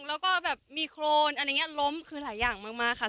แล้วก็แบบมีโครนอะไรอย่างนี้ล้มคือหลายอย่างมากค่ะ